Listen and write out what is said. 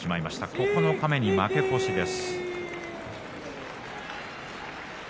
九日目に負け越しです。